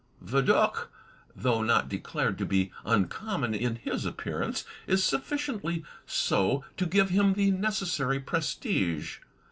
Vidocq, though not declared to be uncommon in his appearance, is sufficiently so to give him the necessary prestige.